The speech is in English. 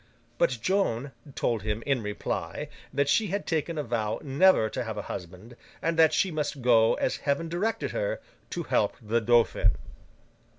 But Joan told him in reply, that she had taken a vow never to have a husband, and that she must go as Heaven directed her, to help the Dauphin.